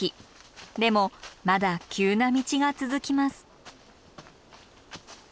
でもまだ急な道が続きます。